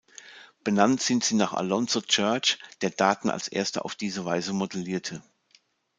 Benannt sind sie nach Alonzo Church, der Daten als Erster auf diese Weise modellierte.